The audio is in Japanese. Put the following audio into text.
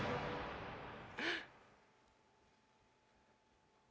えっ？